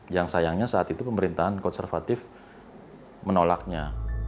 yang sayangnya saat itu pemerintahan konservatif menolaknya